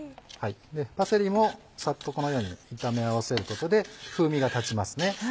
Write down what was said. パセリもサッとこのように炒め合わせることで風味が立ちますね。